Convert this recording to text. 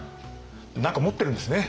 何か持ってるんですね